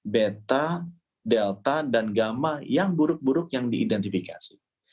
beta delta dan gamma yang buruk buruk yang diidentifikasi